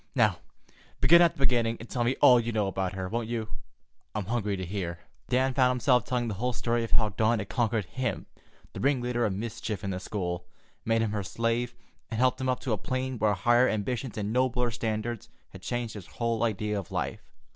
Now, begin at the beginning and tell me all you know about her, won't you? I'm hungry to hear." And Dan found himself telling the whole story of how Dawn had conquered him, the ringleader of mischief in the school, made him her slave, and helped him up to a plane where higher ambitions and nobler standards had changed his whole idea of life.